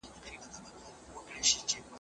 خپلواکي په اسانۍ سره نه ده ترلاسه سوي.